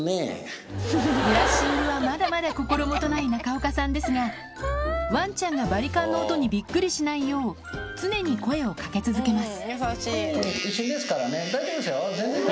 ブラッシングはまだまだ心もとない中岡さんですがワンちゃんがバリカンの音にびっくりしないよう常に声をかけ続けます